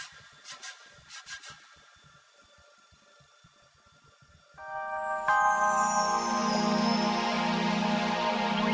pak jangan tinggalin dana yang takut